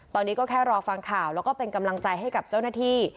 ตอนนี้ก็แค่รอฟังข่าวแล้วก็เป็นกำลังใจให้กับเจ้าหน้าที่